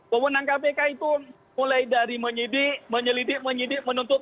wewenang kpk itu mulai dari menyelidik menyelidik menyidik menuntut